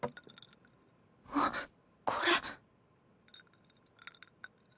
あっこれ。